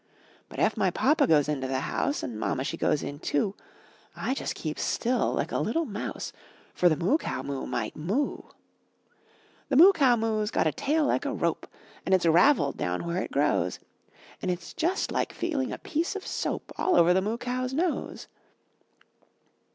But ef my papa goes into the house En mama, she goes in, too, I just keep still, like a little mouse. Per the Moo Cow Moo might moo. The Moo Cow Moo's got a tail like a rope, En it's raveled down where it grows. En it's just like feeling a piece of soap All over the Moo Cow's nose.